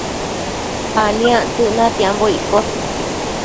aniactsëc ictiambo iccosh